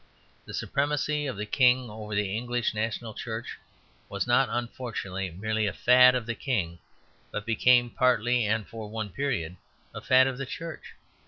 The supremacy of the King over the English national church was not, unfortunately, merely a fad of the King, but became partly, and for one period, a fad of the church.